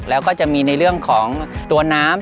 แล้วก็จะมีในเรื่องของตัวน้ำ